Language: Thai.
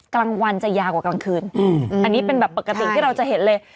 กลางวันจะยาวกว่ากลางคืนอันนี้เป็นแบบปกติที่เราจะเห็นเลย